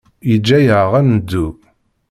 Yeǧǧa-aɣ ad neddu.